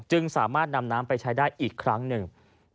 สามารถนำน้ำไปใช้ได้อีกครั้งหนึ่ง